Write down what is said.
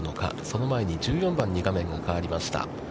その前に１４番に画面が変わりました。